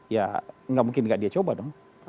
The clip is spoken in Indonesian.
ya enggak mungkin enggak dia coba dong